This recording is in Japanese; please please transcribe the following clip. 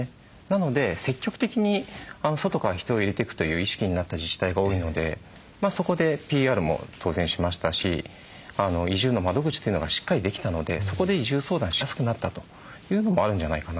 なので積極的に外から人を入れていくという意識になった自治体が多いのでそこでＰＲも当然しましたし移住の窓口というのがしっかりできたのでそこで移住相談しやすくなったというのもあるんじゃないかなと思います。